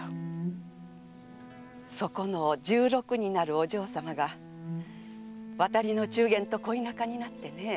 そこの十六になるお嬢様が渡りの中間と恋仲になってねえ。